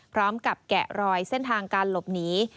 พร้อมกับแกะรอยเส้นทางการหลบหนี